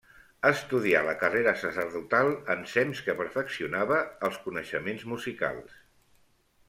Estudià la carrera sacerdotal ensems que perfeccionava els coneixements musicals.